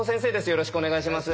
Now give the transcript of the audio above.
よろしくお願いします。